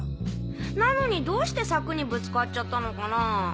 なのにどうして柵にぶつかっちゃったのかなぁ。